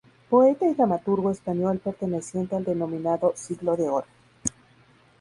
Poeta y dramaturgo español perteneciente al denominado Siglo de Oro.